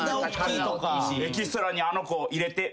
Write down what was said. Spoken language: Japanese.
「エキストラにあの子入れて」みたいな。